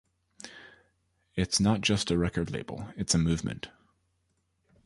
It's not just a record label, it's a movement.